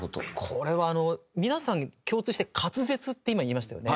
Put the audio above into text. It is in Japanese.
これは皆さん共通して滑舌って今言いましたよね。